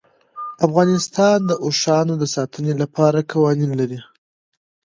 افغانستان د اوښانو د ساتنې لپاره قوانین لري.